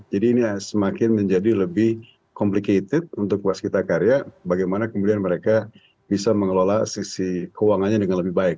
jadi ini semakin menjadi lebih complicated untuk waskita karya bagaimana kemudian mereka bisa mengelola sisi keuangannya dengan lebih baik